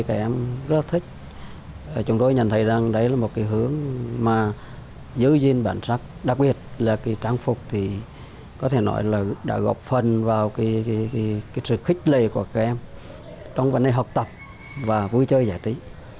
chúng tôi rất thích chúng tôi nhận thấy rằng đấy là một cái hướng mà giữ gìn bản sắc đặc biệt là cái trang phục thì có thể nói là đã gọc phần vào cái sự khích lề của các em trong vấn đề học tập và vui chơi giải trí